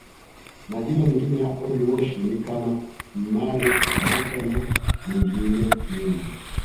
Majina mengine ya Old Moshi ni kama Mmari Macha na mengine mengi